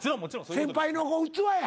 先輩の器や。